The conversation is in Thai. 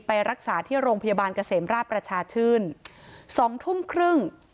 ไปรักษาที่โรงพยาบาลเกษมราชประชาชื่นสองทุ่มครึ่ง